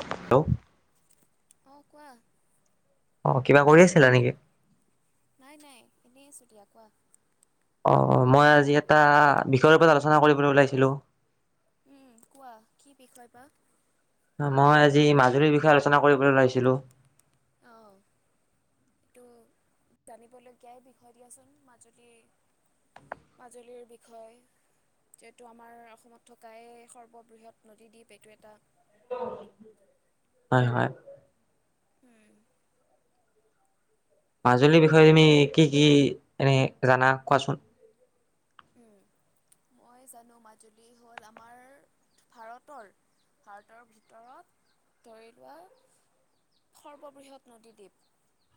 Hello. অ কোৱা। অ', কিবা কৰি আছিলা নেকি? নাই নাই এনে ছুটি আ কোৱা অ মই আজি এটা বিষয়ৰ ওপৰত আলোচনা কৰিবলৈ ওলাইছিলো। উম কোৱা, কি বিষয় বা? মই আজি মাজুলীৰ বিষয়ে আলোচনা কৰিবলৈ ওলাইছিলো। আহ এইটো জানিবলগীয়াই বিষয় দিয়াচোন মাজুলী মাজুলীৰ বিষয় যিহেতটো আমাৰ অসমত থকাই সৰ্ববৃহৎ নদীদ্বীপ এইটো এটা হয়, হয়। উম মাজুলীৰ বিষয়ে তুমি কি কি এনে জানা কোৱাচোন? উ', মই জানো মাজুলী হ'ল আমাৰ ভাৰতৰ, ভাৰতৰ ভিতৰত ধৰি লোৱা সৰ্ববৃহৎ নদীদ্বীপ,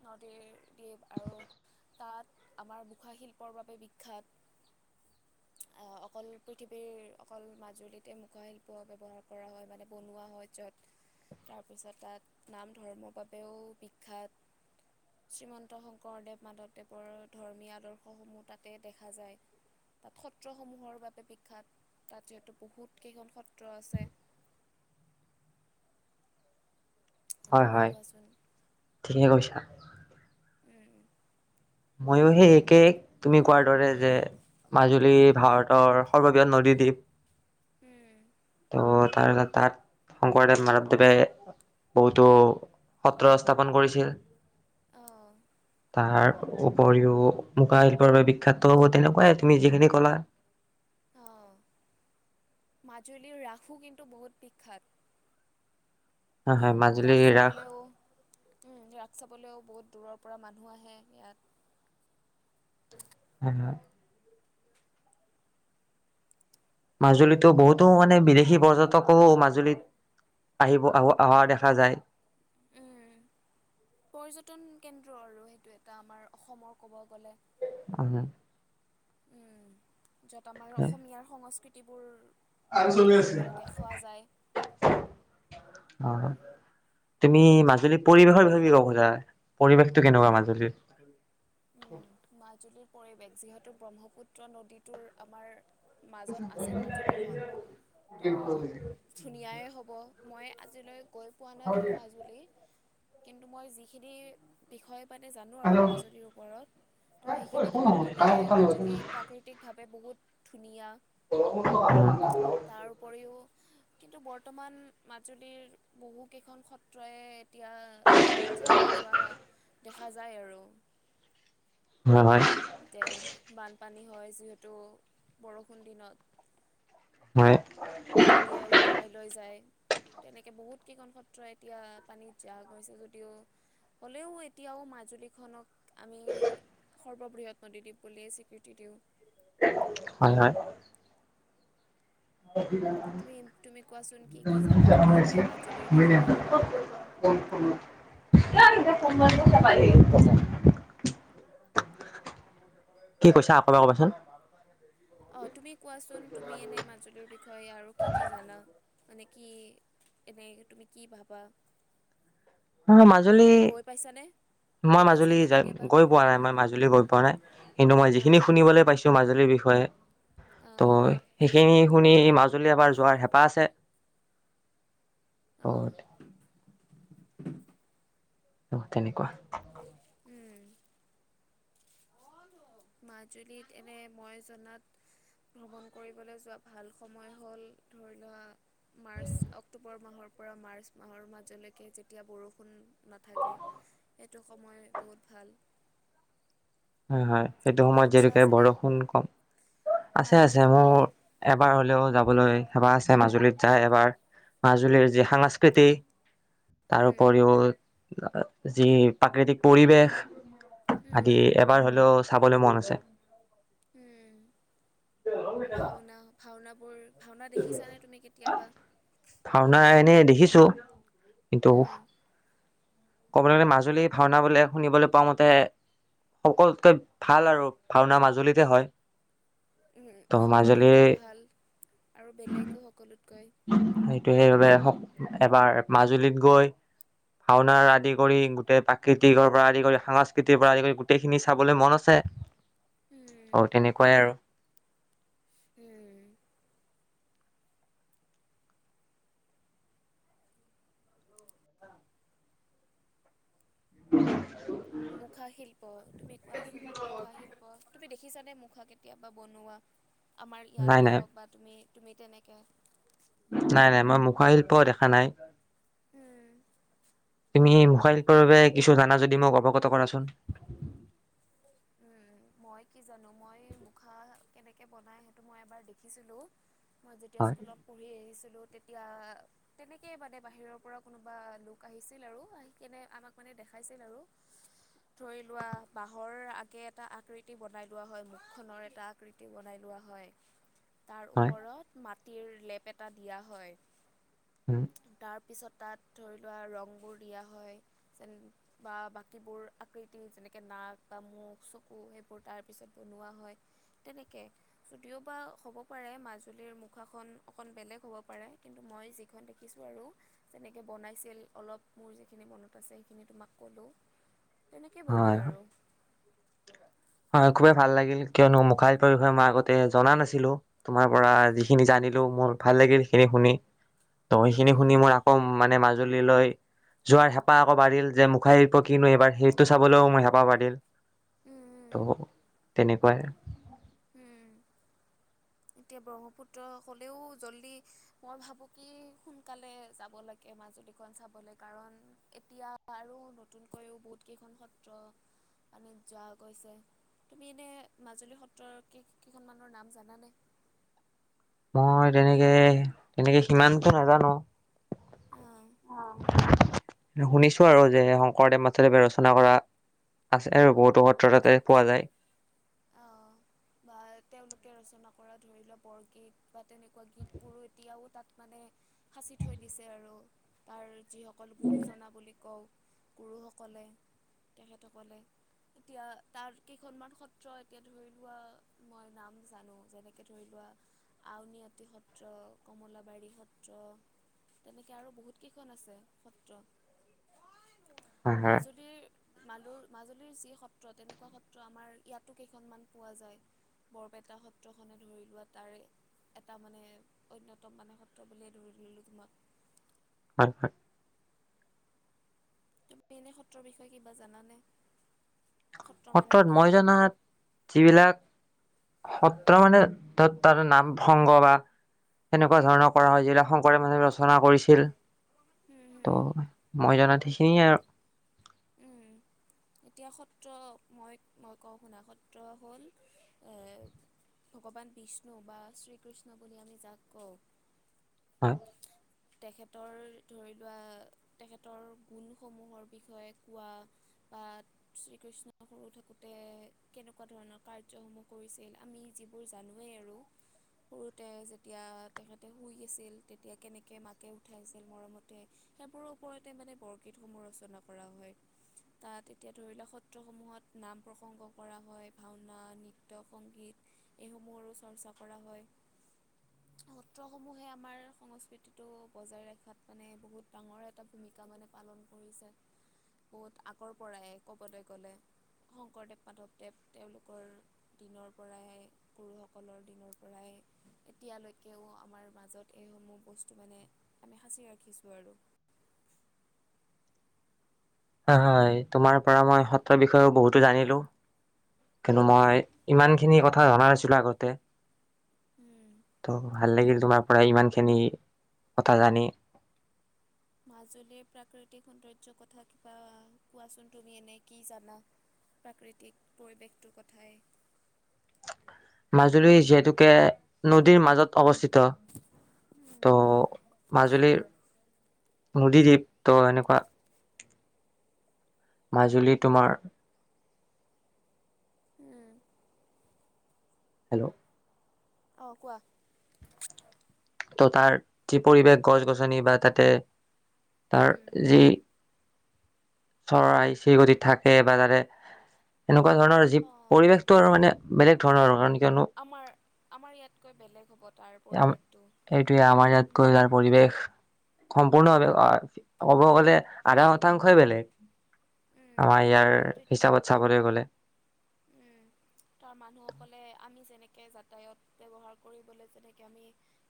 নদীৰ দ্বীপ আৰু তাত আমাৰ মুখা শিল্পৰ বাবে বিখ্যাত। অকল পৃথিৱীৰ অকল মাজুলীতে মুখাশিল্প ব্যৱহাৰ কৰা হয় মানে বনোৱা হয় য'ত তাৰপিছত তাত নাম ধৰ্মৰ বাবেও বিখ্যাত শ্ৰীমন্ত শংকৰদেৱ মাধৱদেৱৰ ধৰ্মীয় আদৰ্শসমূহ তাতে দেখা যায়। তা'ত সত্ৰসমূহৰ বাবে বিখ্যাত, তা'ত যিহেতু বহুত কেইখন সত্ৰ আছে। হয় তুমি হয় কোৱাচোন ঠিকে কৈছা। ময়োহে একে এক তুমি কোৱাৰ দৰে যে মাজুলী ভাৰতৰ সৰ্ববৃহৎ নদীদ্বীপ ত তাৰ তাত শংকৰদেৱ, মাধৱদেৱে বহুতো সত্ৰ স্থাপন কৰিছিল অ' অ'। পাহাৰ উপৰিও মুখা শিল্পৰ বাবে বিখ্যাতো হ'ব তেনেকুৱাই তুমি যিখিনি ক'লা। অঁ মাজুলীৰ ৰাসো কিন্তু বহুত বিখ্যাত হয় হয় মাজুলী ৰাস চাবলৈও, উম' চাবলৈও বহুত দূৰৰ পৰা মানুহ আহে ইয়াত। উম হোম মাজুলীতো বহুতো মানে বিদেশী পৰ্যটকো মাজুলীত আহিব অ অহা দেখা যায়। উম', পৰ্যটন কেন্দ্ৰ আৰু সে সেইটো এটা আমাৰ অসমৰ ক'ব গ'লে, উমহ উম য'ত আমাৰ অসমীয়াৰ সংস্কৃতি তিবোৰ, ধৰি লোৱা দেখুৱা যায়। অ', তুমি মাজুলী পৰিৱেশৰ বিষয়ে কি ক'ব খোজা, পৰিৱেশটো কেনেকুৱা মাজুলীত? উম মাজুলীৰ পৰিৱেশ যিহেতু ব্ৰহ্মপুত্ৰ নদীটোৰ আমাৰ, মাজত আছে মাজুলীখন, ত' ধুনীয়াই হ'ব। মই আজিলৈ গৈ পোৱা নাই হয় বাৰু মাজুলী, কিন্তু মই যিখিনি বিষয় মানে জানো আৰু মাজুলীৰ ওপৰত, ত' সেইখিনি ক'ব গ'লে মাজুলী প্ৰাকৃতিকভাৱে বহুত ধুনিয়া উপৰিও [unintelligible] কিন্তু বৰ্তমান মাজুলীৰ বহু কেইখন সত্ৰয়ে এতিয়া পানীত যা যোৱা দেখা যায় আৰু। হয় হয় তে বানপানী হয় যিহেতু, বৰষুণ দিনত। হয় নদীয়ে উটুৱাই লৈ যায়। তেনেকে বহুত কেইখন সত্ৰই এতিয়া পানীত জাহ গৈছে যদিও, হলেওঁ এতিয়াও মাজুলীখনক আমি সৰ্ববৃহৎ নদীদ্বীপ বুলিয়ে স্বীকৃতি দিওঁ। হয় হয় তুমি তুমি কোৱাচোন কি কি জানা তুমি এনেই ছে মাজুলীৰ ম [unintelligible] বিষয়ে [unintelligible] কি কৈছা আকৌ এবাৰ ক'বাচোন। অ' তুমি, কোৱাচোন তুমি এনে মাজুলীৰ বিষয়ে আৰু কি কি জানা কি এনে তুমি কি ভাবা অ মাজুলী তুমি গৈ পাইছানে? মই গৈ মাজুলী পাইছানে কেতিয়াবা? গৈ পোৱা নাই মই মাজুলী গৈ পোৱা নাই কিন্তু মই যিখিনি অ', শুনিবলৈ পাইছো মাজুলীৰ বিষয়ে অ', ত' সেইখিনি শুনি মাজুলী এবাৰ যোৱাৰ হেঁপাহ আছে। অ', তত [unintelligible] অ তেনেকুৱা উম। মাজুলীত এনে মই জনাত ভ্ৰমণ কৰিবলৈ যোৱা ভাল সময় হ'ল ধৰি লোৱা মাৰ্চ অক্টোবৰ মাহৰ পৰা মাৰ্চ মাহৰ মাজলৈকে যেতিয়া বৰষুণ নাথাকে সেইটো সময় বহুত ভাল। হয় হয় সেইটো তোমাৰ সময়ত ইচ্ছা যিহেতুকে আছেনে বৰষুণ কম আছে মাজুলী আছে মোৰ যাবলে? এবাৰ হলেও যাব। সবাৰ [unintelligible] আছে মাজুলীত যায়, এবাৰ মাজুলীৰ যি সাংস্কৃতি উম, তাৰপৰিও যি প্ৰাকৃতিক পৰিৱেশ আজি, উম, এবাৰ হ'লেও চাবলৈ মন আছে। উম ভাওনা ভাওন বোৰ ভাওনা দেখিছানে তুমি কেতিয়াবা? দিছো, কিন্ত! উম ক'বলৈ গ'লে মাজুলীৰ ভাওনা বোলে শুনিবলৈ পাওঁ মতে, সকলোতকৈ ভাল আৰু ভাওনা মাজুলীতে হয়। উ ত' মাজুলী সকলোতকৈ ভাল আৰু বেলেগো সকলো সেইটো সেইবাবে এবাৰ মাজুলীত গৈ ভাওনাৰ আদি কৰি গোটেই প্ৰাকৃতিকৰৰ পৰা আদি কৰি সাংস্কৃতিৰ পৰা আদি কৰি গোটেইখিনি চাবলৈ মন আছে। উম অ তেনেকুৱাই আৰু উম উ [unintelligible] মুখা শিল্প তুমি কোৱাচোন মুখা শিল্প তু দেখিছানে মুখা কেতিয়াবা বনোৱা আমাৰ নাই ইয়াতে নাই হওক বা তুমি তুমি তেনেকৈ নাই নাই মই মুখাশিল্পও দেখা নাই হম তুমি মুখা শিল্পৰ বাবে কিছু জানা যদি মোক অৱগত কৰাচোন। উম মই কি জানো মই মুখা কেনেকে বনাই সেইটো মই এবাৰ দেখিছিলো মই যেতিয়া হয় স্কুলত পঢ়ি আহিছিলোঁ তেতিয়া তেনেকে মানে বাহিৰৰ পৰা কোনোবা লোক আহিছিল আৰু আহি কেনে আমাক মানে দেখাইছিল আৰু ধৰি লোৱা বাঁহৰ আগ একে এটা আকৃতি বনাই লোৱা হয় মুখখনৰ এটা আকৃতি বনাই লোৱা হয় তাৰ হয় ওপৰত মাত তিৰ লেপ এটা দিয়া হয় তাৰ পিছত তাত ধৰি লোৱা ৰংবোৰ দিয়া হয় যেন বা বাকীবোৰ আকৃতি যেনেকৈ নাক বা মুুখ চকু সেইবোৰ তাৰপিছত বনোৱা হয় তেনেকে যদিওবা হ'ব পাৰে মাজুলীৰ মুখাখন অকণ বেলেগ হ'ব পাৰে কিন্তু মই যিখন দেখিছোঁ আৰু যেনেকে বনাইছিল অলপ মোৰ যিখিনি মনত আছে সেইখিনি তোমাক ক'লোঁ তেনেকেই বনায় হয় আৰু হয় খুবেই ভাল লাগিল কিয়নো মুখাইপৰ বিষয়ে মই আগতে জনা নাছিলো। তোমাৰ পৰা উম, যিখিনি জানিলো মোৰ ভাল লাগিল। এনে শুনি ত সেইখিনি উম, শুনি মোৰ আকৌ মানে মাজ ল লৈ যোৱাৰ হেঁপাহ আকৌ বাঢ়িল যে মুখাই্প কিনো এইবাৰ সেইটো চাবলৈও মোৰ হেঁপাহ বাঢ়িল উম উম, ত' তেনেকুৱাই উম এতিয়া ব্ৰহ্মপুত্ৰ হলেও জল্দি মই ভাবো কি সোনকালে যাব লাগে মাজুলীখন চাবলৈ কাৰণ এতিয়া আৰু নতুনকৈও বহুত কেইখন সত্ৰ মানী যোৱা গৈছে তুমি এনে মাজুলী সত্ৰ কেইখন মানৰ নাম জানানে মই তেনেকে তেনেকে সিমানকো নাজানো অ'। শুনিছো আৰু যে শংকৰদেৱ মাচাদেৱে ৰচনা কৰা আছে আৰু বহুতো সত্ৰ তাতে পোৱা যায়। বা তেওঁলোকে ৰচনা কৰা ধৰি লোৱা বৰগীত বা তেনেকুৱা গীত বোৰো এতিয়াও তাত মানে সাঁচি থৈ দিছে আৰু তাৰ যিসকল গুৰুজনা বুলি কওঁ গুৰুসকলে তেখেতসকলে এতিয়া তাৰ কেইখনমান সত্ৰ এতিয়া ধৰি মই নাম জানো যেনেকে ধৰি লোৱা আউনীআটী সত্ৰ, কমলাবাৰী সত্ৰ তেনেকে আৰু বহুত কেইখন আছে সত্ৰ। হয় হয় মাজুলীৰ মাজুল মাজুলীৰ যি সত্ৰ তেনেকুৱা সত্ৰ আমাৰ ইয়াতো কেইখনমান পোৱা যায় বৰপেটা সত্ৰখনে ধৰি লোৱা তাৰে এটা মানে অন্যতম মানে সত্ৰ বুলিয়ে ধৰিলোঁ লোকিমত হয় হয় তুমি এনে সত্ৰৰ বিষয়ে কিবা জানানে? সত্ৰ মানে সত্ৰত কি? মই জনাত যিবিলাক সত্ৰ মানে ধ তাত নাম সংগ বা সেনেকুৱা ধৰণৰ কৰা হয় যিলাক মানে ভাল ৰচনা কৰিছিল উম হুম ত' মই জনাত সি সিনিয় আৰু এতিয়া সত্ৰ মই মই কওঁ শুনা সত্ৰ হ'ল ভগৱান বিষ্ণু বা শ্ৰীকৃষ্ণ বুলি আমি যাক কওঁ হয় তেখেতৰ ধৰি লোৱা তেখেতৰ গুণসমূহৰ বিষয়ে কোৱা বা শ্ৰীকৃষ্ণ সৰু থাকোঁতে কেনেকুৱা ধৰণৰ কাৰ্যসমূহ কৰিছিল আমি যিবোৰ জানোৱেই আৰু সৰুতে যেতিয়া তেখেতে শুই আছিল তেতিয়া কেনেক কে মাকে উঠাইছিল মৰমতে সেইবোৰৰ ওপৰতে মানে বৰগীতসমূহ ৰচনা কৰা হয়। তাত এতিয়া ধৰি লোৱাক সত্ৰসমূহত নাম প্ৰসংগ কৰা হয়। ভাওনা নৃত্য সংগীত এইসমূহৰো চৰ্চা কৰা হয় সত্ৰসমূহে আমাৰ সংস্কৃতিত টো বজাই ৰখাত মানে বহুত ডাঙৰ এটা ভূমিকা মানে পালন কৰিছে। বহুত আগৰ পৰাই ক'বলৈ গ'লে শংকৰদেৱ মাধৱদেৱ তেওঁলোকৰ দিনৰ পৰাই গুৰুসকলৰ দিনৰ পৰাই এতিয়ালৈকেও আমাৰ মাজত এইসমূহ বস্তু টো মানে আমি সাঁচি ৰাখিছোঁ আৰু হয় হয় তোমাৰ পৰা মই সত্ৰৰ বিষয়েও বহুতো জানিলো কিন্তু মই ইমানখিনি কথা জনা নাছিলো আগতে উম, ত' ভাল লাগিল তোমাৰ পৰা ইমানখিনি কথা জানি মাজুলীৰ প্ৰাকৃতিক সৌন্দৰ্যৰ কথা কিবা কোৱাচোন তুমি এনে কি জানা প্ৰাকৃতিক পৰিৱেশটোৰ কথাই? মাজুলী যিহেতুকে। নদীৰ মাজত অৱস্থিত ত' মাজুলীৰ নদীদ্বীপ ত এনেকুৱা মাজুলী তোমাৰ। উম, হেল্ল', অ 'কোৱা। ত' তাৰ যি পৰিৱেশ গছ গছনি বা তাতে তাৰ উম যি। চৰাই চিৰিকটি থাকে বা তাৰে এনেকুৱা। এনেকুৱা ধৰণৰ যি অ পৰিৱেশটো আৰু মানে। বেলেগ ধৰণৰ কাৰ আমাৰ আমাৰ ইয়াতকৈ বেলেগ হ'ব তাৰ। পৰিৱেশটো আমাৰ ইয়াত উম গৈ তাৰ পৰিৱেশ সম্পূৰ্ণভাৱে ক'ব গ'লে আধা শতাংশই বেলেগ। আমাৰ ইয়াৰ বহুত পৃথক হিচাপত চাবলৈ গ'লে উম তাৰ মানুহসকলে আমি যেনেক। যাতায়ত ব্যৱহাৰ কৰিবলৈ যেনেকৈ আমি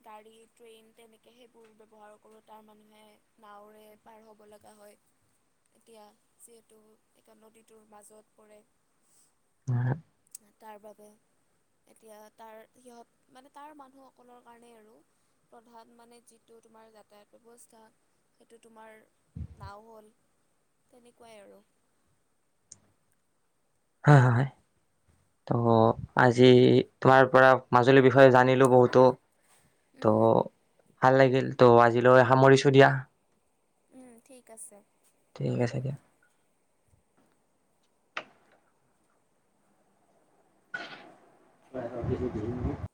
গাড়ী ট্ৰেইন তেনেকৈ সেইবোৰ ব্যৱহাৰ কৰোঁ তাৰ মানুহে নাৱৰে পাৰ হ'ব লগা হয় এতিয়া যিহেতু এয়া নদীটোৰ মাজত পৰে হয়। তাৰ বাবে এতিয়া তাৰ সিহঁত মানে তাৰ মানুহসকলৰ কাৰণে আৰু প্ৰধান মানে যিটো তোমাৰ যাতায়াত ব্যৱস্থা সেইটো তোমাৰ নাও হ'ল তেনেকুৱাই আৰু হয় হয় ত' আজি তোমাৰ পৰা মাজুলীৰ বিষয়ে জানিলো বহুতো তো। উম, ভাল লাগিল ত' আজিলৈ সামৰিছো দিয়া। উম ঠিক আছে। ঠিক আছে দিয়া। ধৰি